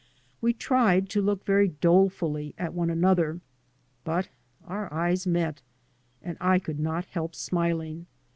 We tried to look very dolefully at one another. But our eyes met. And I could not help smiling.